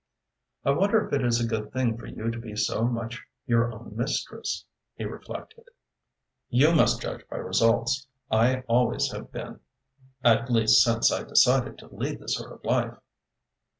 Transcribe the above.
"I wonder if it is a good thing for you to be so much your own mistress," he reflected. "You must judge by results. I always have been at least since I decided to lead this sort of life."